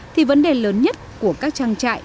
thì vấn đề lớn nhất của các trang trại